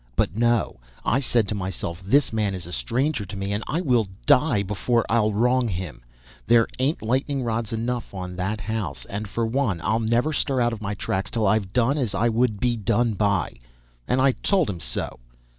But no; I said to myself, this man is a stranger to me, and I will die before I'll wrong him; there ain't lightning rods enough on that house, and for one I'll never stir out of my tracks till I've done as I would be done by, and told him so.